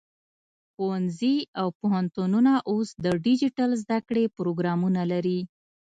ښوونځي او پوهنتونونه اوس د ډیجیټل زده کړې پروګرامونه لري.